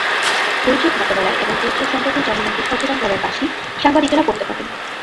দুর্যোগ মোকাবিলায় এবং দুর্যোগ সম্পর্কে জনগণকে সচেতন করার কাজটি সাংবাদিকেরা করতে পারেন।